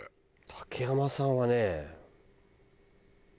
竹山さんはね。